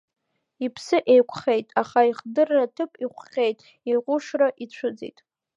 Иԥсы еиқәхеит, аха ихдырра аҭыԥ иқәҟьеит, иҟәышра ицәыӡит.